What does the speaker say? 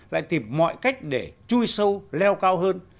lại tìm mọi cách để chui sâu leo cao hơn